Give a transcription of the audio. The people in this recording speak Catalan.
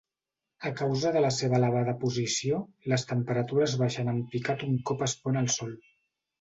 A causa de la seva elevada posició, les temperatures baixen en picat un cop es pon el sol.